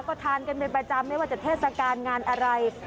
ก็ทานกันเป็นประจำไม่ว่าจะเทศกาลงานอะไร